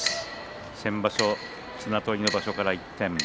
先場所、綱取りの場所から一転、休場。